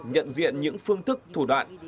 nhận diện những phương thức thủ đoạn